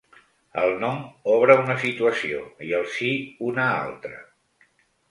El no obre una situació i el sí, una altra.